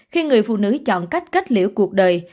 khi người phụ nữ chọn cách kết liễu cuộc đời